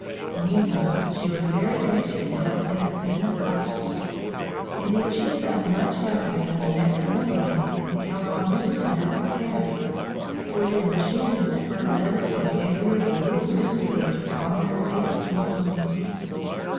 Meantime she was very anxious to help him as soon as possible. Indeed, she felt much happier when the next morning came, and Count Henri set out for Paris; for then she knew that her letter and Gabriel's little written page were on their way to King Louis.